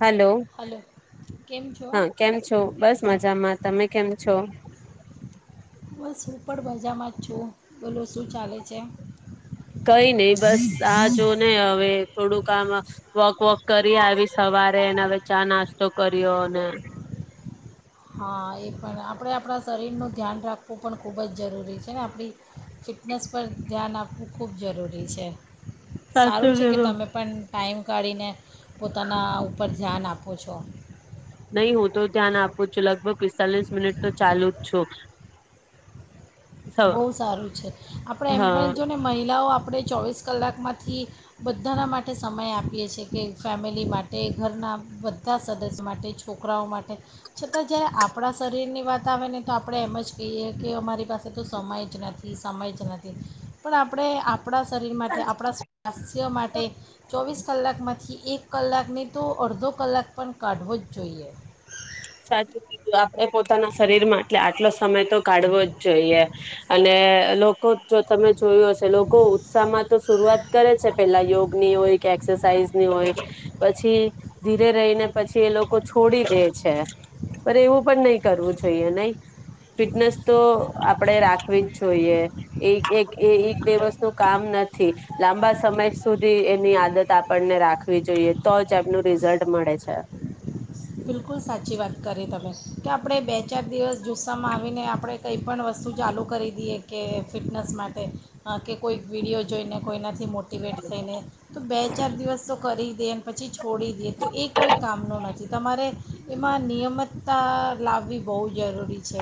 Hello hello કેમ છો હા કેમ છો બસ મજામાં તમે કેમ છો બસ હું પણર બજારમાં જ છું. બોલો શું ચાલે છે? કઈ નઈ બસ આ જો ને હવે થોડું કામ વોક વોક કરી આવી સવારે અને હવે ચા નાસ્તો કર્યો અને હા એ પણ આપણે આપણા શરીરનું ધ્યાન રાખવું પણ ખૂબ જ જરૂરી છે આપણી ફિટનેસ પર ધ્યાન આપવું ખૂબ જરૂરી છે સારું છે કે તમે પણ ટાઈમ કાઢીને પોતાના ઉપર ધ્યાન આપો છો. નહી હું તો ધ્યાન આપું છું લગભગ પિસ્તાલીસ મિનિટ તો ચાલુ જ છું. બહુ સારું છે આપણે હ એમ પણ જોને મહિલાઓ આપ આપણે ચોવીસ કલાકમાંથી બધાના માટે સમય આપીએ છીએ કે ફેમિલી માટે ઘરના બધા સદસ્ય માટે છોકરાઓ માટે છતાં જ્યારે આપણા શરીરની વાત આવે ને તો આપણે એમ જ કહીએ કે અમારી પાસે તે તો સમય જ નથી સમય જ નથી પણ આપણે આપ પણા શરીર માટે આપણા સ્વાસ્થ્યો માટે ચોવીસ કલાકમાંથી એક કલાકને તો અડધો કલાક પણ કાઢવો જ જોઈએ. સાચ કવા એ પોતાના શરીર માં એટલે આ એટલો સમય તો કાઢવો જ જોઈએ અને લોકો જો તમે જોયું હશે લોકો ઉત્સાહમાં તો શરૂઆત કરે છે પેલા યોગ ની હોય કે એક્સરસાઇઝની હોય પછી ધીરે રહીને પછી એ લોકો છોડી દે છે. પણ એવું પણ નહી કરવું જોઈએ નહી ફિટનેસ તો આપણેે રાખવી જ જોઈએ એક એક દિવસનું કામ નથી લાંબા સમય સુધી એની આદત આપણને રાખવી જોઈએ તો જ એમનું રિઝલ્ટ મળે છે. બિલકુલ સાચી વાત કરી તમે કે આપણે બે ચાર દિવસ જુસ્સામાં આવીને આપણે કંઈ પણ વસ્તુ ચાલુ કરી દઈએ કે ફિટનેસ માટે કે કોઈક વિડીયો જોઈને કોઈના થી મોટિવેટ થઈને તો બે ચાર દિવસ તો કરી દે પછી છોડી દેએ તો એ કોઈ કામનો નથી તમારે એમાં નિયમિતતા અ લાવવી બઉ જરૂરી. છે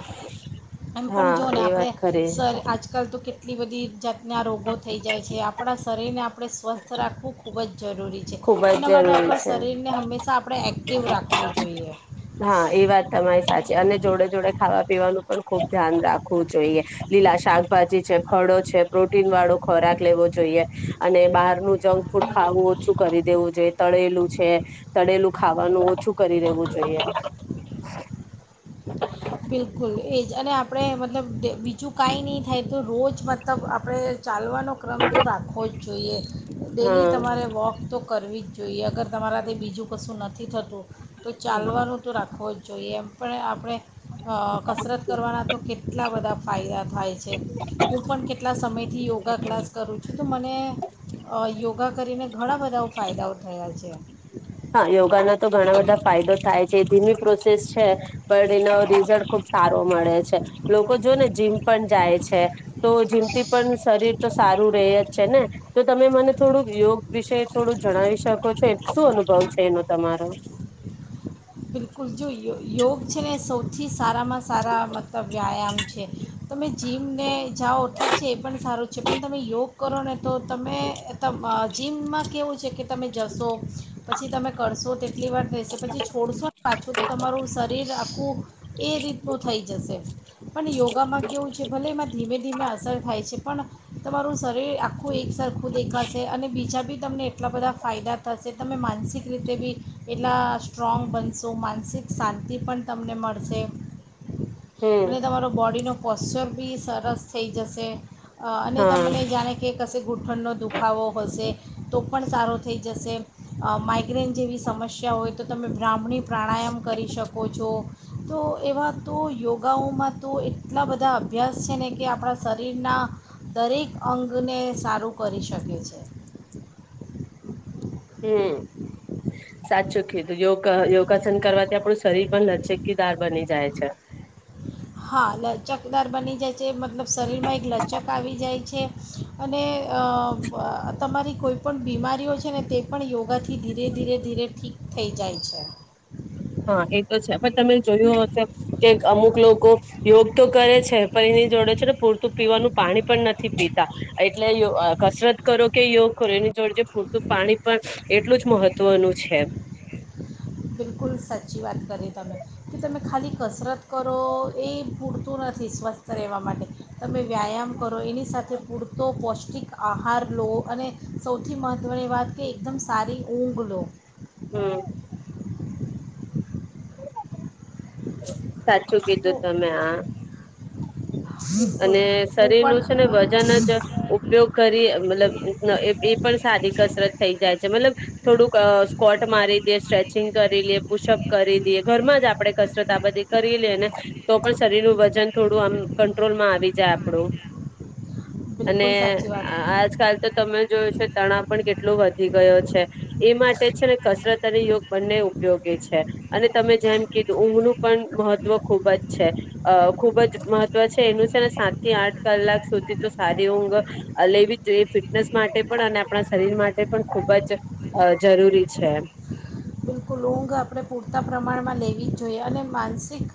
એમ પણ હા જો ને એ આપણે વાત ખરી સર આજકાલ તો કેટ. એટલી બધી જાત ના રોગો થઈ જાય છે આપણા શરીરને આપણે સ્વસ્થ રાખવું ખૂબ જ જરૂરી છે ખુબ એના જ માટે જરૂરી આપણો છે શરીરને હંમેશા આપણે એક્ટિવ રાખવું જોઈએ. હા એ વાત તમારી સાચી અને જોડે જોડે ખાવા પીવાનું પણ ખુબ ધ્યાન રાખવું જોઈએ લીલા શાકભાજી છે ફડો છે પ્રોટીન વાળો ખોરાક લેવો જોઈએ અને બહાર નું જંક ફૂડ ખાવું ઓછુ કરી દેવું જોઈએ તળેલું છે તળેલું ખાવાનું ઓછું કરી દેવું જોઈ. બિલકુલ એ જ અને આપણે મતલબ બીજું કાંઈ નહીં થાય તો રોજ મતલબ આપણે ચાલવાનો ક્રમ તો રાખો જ. જોઈએ. ડેલી હા તમારે વોક તો કરવી જ જોઈએ અગર તમારા તે બીજું કશું નથી થતું તો ચાલવાનું તો રાખવો જ. જોઈએ એમ પણ આપણે. અ કસરત કરવાના તો કેટલા બધા ફાયદા થાય છે હું પણ કેટલા કેટલા સમયથી યોગા ક્લાસ કરું છું તો મને અ યોગા કરીને ઘણા બધા ફાયદાઓ થયા છે. હા યોગાના તો ઘણા બધા ફાયદો થાય છે એ ધીમી પ્રોસેસ છે પણ એનો રિઝલ્ટ ખુબ સારો મળે છે લોકો જો ને જીમ પણ જાય છે તો જીમથી પણ શરીર તો સારું રહે જ છે ને તો તમે મને થોડુંક યોગ વિશે થોડુંક જણાવી શકો છો એક શુંન ભવ છે ન તમારો. બિલકુલ જો યો યોગ છે ને સૌથી. સારામાં સારા મતલબ વ્યાયામ. છે. તમે જીમ ને જાઓ ઠીક છે એ પણ સારું છે પણ તમે યોગ કરો ને. તો તમે ત જીમમાં કેવું છે કે તમે જશો પછી તમે કરશો તેટલી વાર રહેશે પછી છોડશો ને. પાછું તો તમારું શરીર અપ હુ એ રીતનો થઈ જશે પણ યોગામાં કેવું છે ભલે એમાં ધીમે ધીમે અસર થાય છે પણ તમારું શરીર આખું ખું એક સરખું દેખાશે અને બીજા બી તમને એટલા બધા ફાયદા થશે તમે માનસિક રીતે બી, એટલા સ્ટ્રોંગ બનશે. તો માનસિક શાંતિ પણ તમને મળશે, હમ અને તમારો બોડીનો પોશ્ચર બી સરસ થઈ જશે. અ અને હા તમને જાણે કે કશે ગુ ઠંનો દુખાવો હશે, તો પણ સારો થઈ જશે, માઇગ્રેન જેવી સમસ્યા હોય તો તમે બ્રાહ્મણી પ્રાણાયામ કરી શકો છો, તો એવા તો યોગાઓમાં તો એટલા બધા અભ્યાસ છે ને કે આપણા શરીરના, દરેક અંગને સારું કરી શકે છે. હમ, સાચું કીધું યોગ યોગાસન કરવાથી આપણું શરીર પણ નચકીદાર બની જાય છે. હા લચકદાર બની જાય છે મતલબ શરીરમાં એક લચક આવી જાય છે, અને અ તમારી કોઈ પણ બીમારીઓ છે ને તે પણ યોગાથી ધીરે ધીરે ધીરે ઠીક થઈ જાય છે. હા એ તો છે પણ તમે જોયું હશે, કે અમુક લોકો યોગ તો કરે છે પણ એની જોડે છે ને પૂરતું પીવાનું પાણી પણ નથી પીતા, એટલે કસરત કરો કે યોગ કરો એની જોડે પૂરતું પાણી પણ એટલું જ મહત્વનું છે. બિલકુલ સાચી વાત કરીએ તમે, કે તમે ખાલી કસરત કરો એ પૂરતું નથી સ્વસ્થ રહેવા માટે, તમે વ્યાયામ કરો એની સાથે પૂરતો પૌષ્ટિક આહાર લો અને, સૌથી મહત્ત્વની વાત કે એકદમ સારી ઊંઘ લો. હમ. [inaudible] સાચું તો કીધું તમે આ. બિલકુલ અને હું શરીર પણ નું છે ને વજન જ ઉપયોગ કરી મતલબ એ પણ સારી કસરત થઈ જાય. મતલબ, થોડુંક સ્કોટ મારી દેએ સ્ટ્રેચિંગ કરી લએ પુશઅપ કરી દઈએ ઘરમાં જ આપડણે કસરત આ બધી કરી લેએને તો, પણ શરીરનું વજન થોડું આમ ક ટ્રોલ માં આવી જાય આપડું. અને બિલકુલ સાચી વાત આજકાલ તો તમે જોય છે તણા પણ કેટલા એટલો વધી ગયો છે, એ માટે છે ને કસરત અને યોગ બંને ઉપયોગી છે, અને તમે જેમ કીધું ઊંઘનું પણ મહત્વ ખૂબ જ છે, અ ખૂબ જ મહત્વ છે એનું છે ને સાત થી આઠ કલાક સુધી તો સારી ઊંઘ લેવી જ જોઈએ ફિટનેસ માટે પણ અને આપણા શરીર માટે પણ ખૂબ જ જરૂરી છે. રોંગ આપણે પૂરતા પ્રમાણમાં લેવી જ જોઈએ અને માનસિક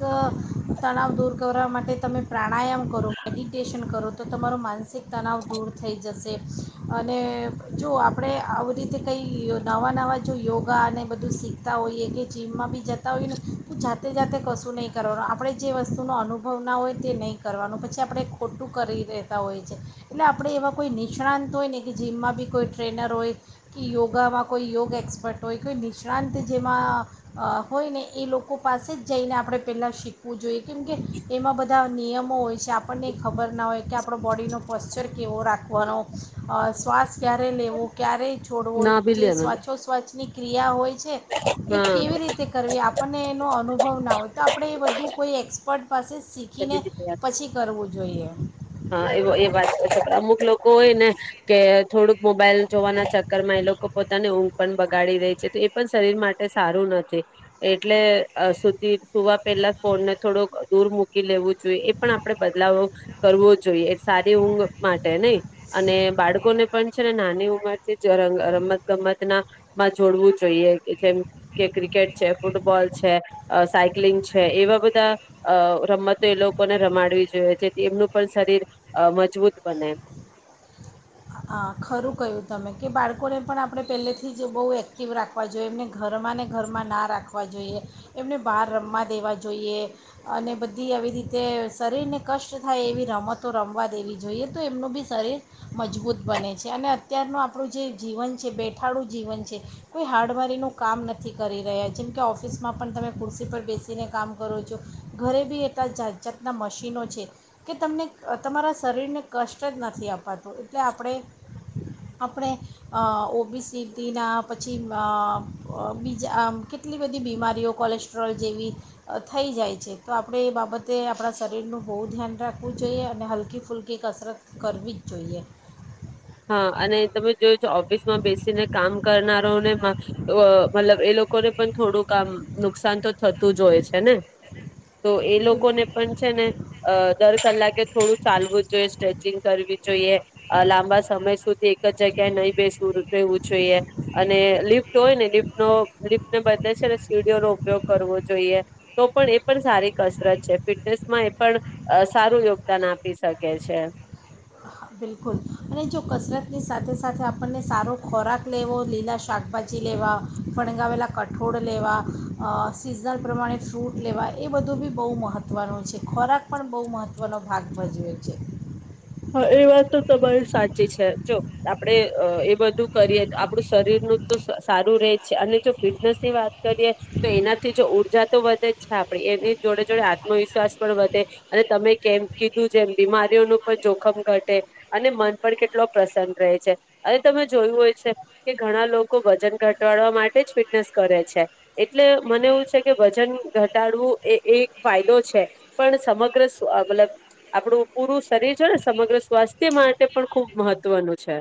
તણાવ દૂર કરવા માટે તમે પ્રાણાયામ કરો મેડિટેશન કરો તો તમારો માનસિક તણાવ દૂર થઈ જશે અને જો આપણે આવી રીતે કંઈ નવા નવા જો યોગા અને બધું શીખ ત ય કે ચીમ ભી જતા હોય ને તો જાતે તે જાતે કશું નહીં કરવાનું આપણે જે વસ્તુનો અનુભવ ના હોય તે નહીં કરવાનો પછી આપણે ખોટું કરી રહેતા હોય છે એટલે આપણે એવા કોઈ નિષ્ણાંત હોય ને કે જીમમાં બી કોઈ ટ્રેનર હોય કે યોગામાં કોઈ યોગ એક્સપર્ટ હોય કોઈ નિષ્ણાંત જેમાં હોય ને એ લોકો પાસે જ જઈને આપણે પહેલાં શીખવું જોઈએ કેમકે એમાં બધા નિયમો હોય છે આપણને ખબર ના હોય. કે આપણો બોડીનો પોશ્ચર કેવો રાખવાનો અ શ્વાસ્ ક્યારે લેવું ક્યારે છોડવો ના બી જે લેવાનું. સ્વાછોસ્વછની ક્રિયા હોય છે. એ કેવી રીતે કરવી આપણને એનો અનુભવ ના હોય તો આપણે એ બધું કોઈ એક્સપર્ટ પાસે શીખીને પછી કરવું જોઈએ હા એ એ વાતમુ લોકો હોય ને તે થોડુંક મોબાઈલ જોવાના ચક્કરમાં એ લોકો પોતાને ઊંઘ પણ બગાડી રેય છે તો એ પણ શરીર માટે સારું નથી એટલે અ સુધી સુવા પહેલા ફોનને થોડોક દૂર મૂક કી લેવું જોઈએ એ પણ આપડે બદલાવ કરવો જોઈએ એ સારી ઊંઘ માટે નઈ. અને બાળકોને પણ છે ને નાની ઉંમર [unintelligible] રમત ગમત ના માં જોડવું જોઈએ જેમ કે ક્રિકેટ છે ફૂટબોલ છે સાયક્લિંગ છે એવા બધા અ રમત એ લોકોને રમાડવી જોઈએ જેથી એમનું પણ શરીર મજબૂત બને. આ ખરું કહ્યું તમે કે બાળકોને પણ આપણે પહેલેથી જ બઉ એક્ટિવ રાખવા જોઈએ એમને ઘરમાં ને ઘરમાં ના રાખવા જોઈએ એમને બહાર રમવા દેવા જોઈએ અને બધી આવી રીતે શરીરને કષ્ટ થાય એવી રમતો રમવા દેવી જોઈએ તો એમનું બી શરીર મજબૂત બને છે અને અત્યારનું આપણું જે જીવન છે બેઠાડું જીવન છે કોઈ હાર્ડવેરીનું કામ નથી કરી રહ્યા જેમ કે ઓફિસમાં પણ તમે કુર્સી પર બેસીને કામ કરો છો ઘરે બી એટલા જાત જાતનાં મશીનો છે કે તમને તમારા શરીરને કષ્ટ જ નથી અપાતું એટલે આ પડે આપણે ઓ બી સી ટી ના પછી અ અમાં બીજા આમ કેટલી બધી બીમારીઓ કોલેસ્ટ્રોલ જેવી થઈ જાય છે તો આપડે એ બાબતે આપડા શરીરનું બહુ ધ્યાન રાખવું જોઈએ અને હલકી ફૂલકી કસરત કરવી જ જોઈએ. હા અને તમે જોય છો ઓફિસમાં બેસીને કામ કરનારોનેમાં એવો મતલબ એ લોકોને પણ થોડું આમ નુકસાન તો થતું જ હોય છે ને. તો એ બિલકુલ લોકોને પણ છે ને અ દર કલાક કે થોડું ચાલવું જોઈએ સ્ટ્રેચિંગ કરવી જોઈએ આ લાંબા સમય સુધી એક જગ્યાએ નહી બેસવું રહેવું જોઈએ અને લિફ્ટ હોય ને લિફ્ટ ન લિફ્ટને બદલે છે ને સીડીઓ નો ઉપયોગ કરવો જોઈએ તો પણ એ પણ સારી કસરત છે ફિટનેસમાં એ પણ અ સારું યોગદાન આપી શકે છે. બિલકુલ અને જો કસરતની સાથે સાથે આપણને સારો ખોરાક લેવો લીલા શાકભાજી લેવા ફણગાવેલા કઠોળ લેવા અ સિઝન પ્રમાણે ફ્રૂટ લેવા એ બધું બી બઉ મહત્ત્વનું છે ખોરાક પણ બઉ મહત્ત્વનો ભાગ ભજવે છે. હા એ વાત તો બલ સાચી છે જો આપ પડે અ એ બધું કરીએ આપડુ શરીરનું તો સારું રહે છે અને જો ફિટનેસની વાત કરીએ તો એનાથી જો ઊર્જા તો વધે જ છે આપડી એની જોડે જોડે આત્મવિશ્વાસ પણ વધે અને તમે કેમ કીધું જેમ બીમારીઓનું કોઈ જોખમ ઘટે અને મન પર કેટલો પ્રસન્ન રહે છે અને તમે જોયું હોય છે કે ઘણા લોકો વજન ઘટાડવા માટે જ ફિટનેસ કરે છે એટલે મને એવું છે કે વજન ઘટાડવું એ એ એક ફાયદો છે પણ સમગ્ર મતલબ આપડુ પુરુષ શરીર છે ને સમગ્ર સ્વાસ્થ્ય માટે પણ ખૂબ મહત્વનું છે.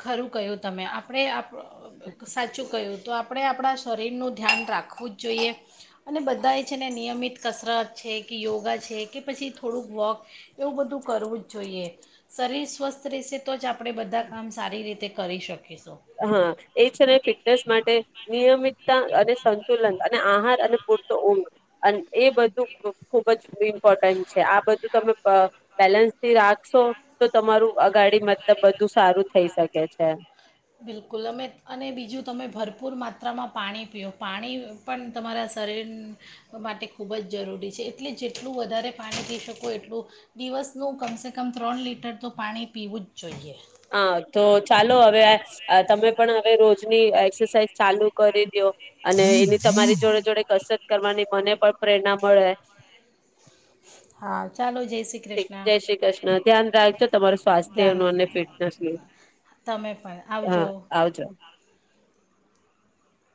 ખરું કહ્યું તમે આપણે આપ સાચું કહ્યું. તો આપડે આપડા શરીરનું ધ્યાન રાખવું જ જોઈએ અને બધા એ છે ને નિયમિત કસરત છે કે યોગા છે કે પછી થોડુંક વોક એવું બધું કરવું જ જોઈએ શરીર સ્વસ્થ રહેશે તો જ આપડે બધા કામ સારી રીતે કરી શક હા એ છે ને ફિટનેસ માટે નિયમિતતા અને સંતુલન અને આહાર અને પૂરતો ઊંઘ અં એ બધું ખુબ જ ઇમ્પોર્ટન્ટ છે આ બધું તમે બેલેન્સ થી રાખશો તો તમારું અગાડી મતલબ બધું સારું થઈ શકે છે. બિલકુલ અમે અને બીજું તમે ભરપૂર માત્રામાં પાણી પીઓ પાણી પણ તમારા શરીર માટે ખૂબ જ જરૂરી છે એટલી જેટલું વધારે પાણી પી શકો એટલું દિવસનું કમસેેકમ ત્રણ લીટર તો પાણી પીવું જ જોઈએ. હા તો ચાલો હવે આ તમે પણ હવે રોજની એક્સરસાઇઝ ચાલુ કરી દ્યો અને એની તમારી જોડે જોડે કસે કરવાની મને પણ પ્રેરણા મળે. હા ચાલો જેય જય શ્રી કૃષ્ણ. ધ્યાન રાખજો. તમારું ધ્યાન સ્વાસ્થ્યનું અને ફિટનેસનું. તમે પણ હા, આવજો આવજો.